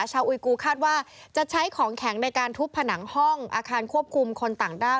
อุยกูคาดว่าจะใช้ของแข็งในการทุบผนังห้องอาคารควบคุมคนต่างด้าว